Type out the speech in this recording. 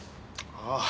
ああ。